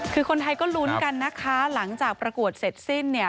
คือคนไทยก็ลุ้นกันนะคะหลังจากประกวดเสร็จสิ้นเนี่ย